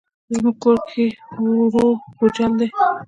زموږ کورګی دی ووړ بوجل دی.